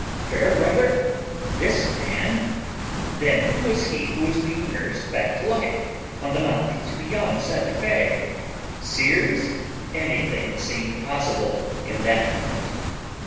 Fairbrother! this man? Then who was he who was being nursed back to life on the mountains beyond Santa Fe? Sears? Anything seemed possible in that moment.